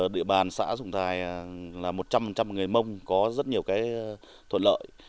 địa bàn xã dùng thái là một trăm linh người mông có rất nhiều thuận lợi